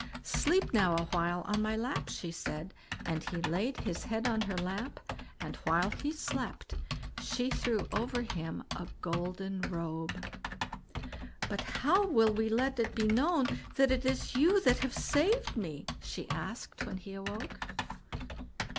"Sleep now a while on my lap", she said; and he laid his head on her lap, and while he slept, she threw over him a golden robe. "But how shall we let it be known that it is you that have saved me?" she asked, when he awoke.